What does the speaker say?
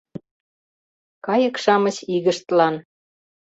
Кайык-шамыч игыштлан